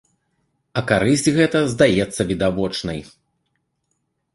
А карысць гэта здаецца відавочнай.